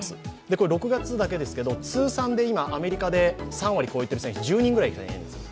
これは６月だけですけど、通算で今、アメリカで３割を超えている選手１０人ぐらいです。